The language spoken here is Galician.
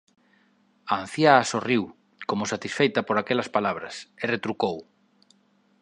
A anciá sorriu, como satisfeita por aquelas palabras, e retrucou: